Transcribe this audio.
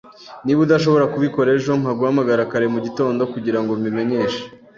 Niba udashobora kubikora ejo, mpa guhamagara kare mugitondo kugirango mbimenyeshe.